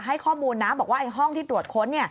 ให้ข้อมูลนะบอกว่าห้องที่ตรวจค้น